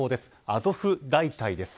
アゾフ大隊です。